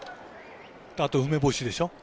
あと梅干しでしょ。